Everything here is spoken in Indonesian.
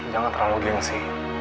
jangan terlalu gengsi